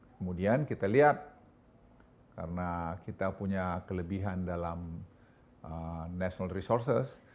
kemudian kita lihat karena kita punya kelebihan dalam national resources